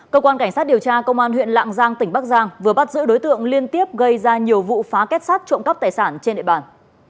cơ quan cảnh sát điều tra công an huyện lạng giang tỉnh bắc giang vừa bắt giữ đối tượng liên tiếp gây ra nhiều vụ phá kết sát trộm cắp tài sản trên địa bàn